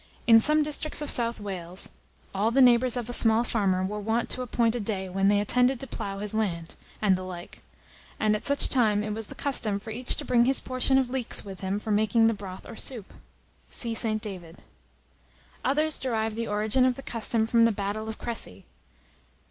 In some districts of South Wales, all the neighbours of a small farmer were wont to appoint a day when they attended to plough his land, and the like; and, at such time, it was the custom for each to bring his portion of leeks with him for making the broth or soup." (See ST. DAVID.) Others derive the origin of the custom from the battle of Cressy.